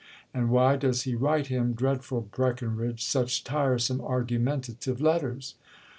—and why does he write him, dreadful Breckenridge, such tiresome argumentative letters?"